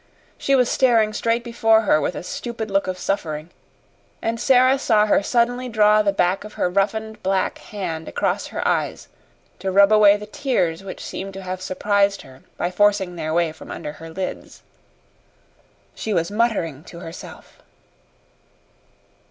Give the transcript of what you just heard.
She was staring straight before her with a stupid look of suffering, and Sara saw her suddenly draw the back of her roughened black hand across her eyes to rub away the tears which seemed to have surprised her by forcing their way from under her lids. She was muttering to herself.